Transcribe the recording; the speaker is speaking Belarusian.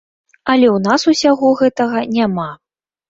Але ў нас усяго гэтага няма.